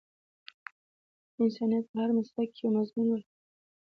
انسانيت په هر مسلک کې یو مضمون وای